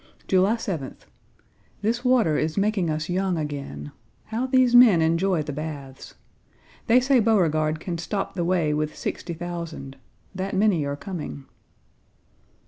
July 7th. This water is making us young again. How these men enjoy the baths. They say Beauregard can stop the way with sixty thousand; that many are coming.